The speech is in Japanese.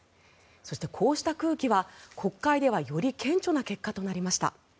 そして、こうした空気は国会ではより顕著な結果となりました。